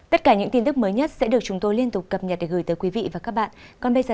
tất cả những tin tức mới nhất sẽ được chúng tôi liên tục cập nhật để gửi tới quý vị và các bạn